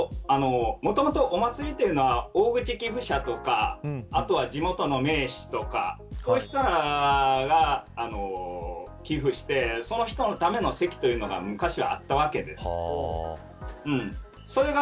もともとお祭りというのは地元の名士とかそういう人たちが寄付して、その人のための席が昔は、あったわけです。